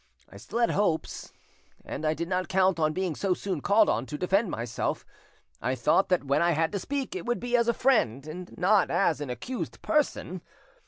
I still had hopes, and I did not count on being so soon called on to defend myself: I thought that when I had to speak, it would be as a friend, and not as an accused person.